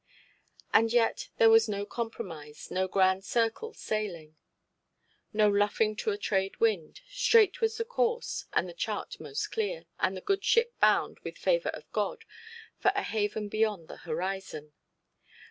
And yet there was no compromise, no grand circle sailing, no luffing to a trade–wind; straight was the course, and the chart most clear, and the good ship bound, with favour of God, for a haven beyond the horizon.